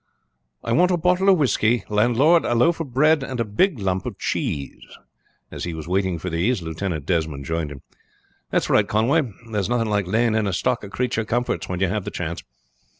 "I want a bottle of whisky, landlord, a loaf of bread, and a big lump of cheese." As he was waiting for these, Lieutenant Desmond joined him. "That's right, Conway, there is nothing like laying in a stock of creature comforts when you have the chance.